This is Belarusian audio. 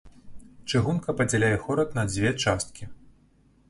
Чыгунка падзяляе горад на дзве часткі.